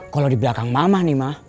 kalau di belakang mama nih mah